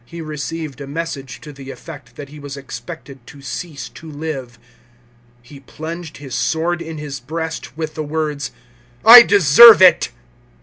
he received a message to the effect that he was expected to cease to live. He plunged his sword in his breast, with the words, " I deserve it